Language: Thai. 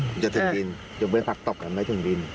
มันจะถึงดินจนเวลาปากตกมันไม่ถึงดิน